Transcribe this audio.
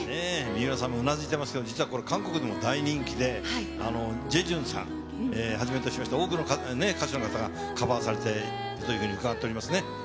水卜さんもうなずいてますけど、実はこれ、韓国でも大人気で、ジェジュンさん、はじめとしまして、多くの歌手の方がカバーされているというふうに伺っておりますね。